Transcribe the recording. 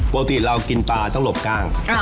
ปกติเรากินปลาต้องหลบกล้าง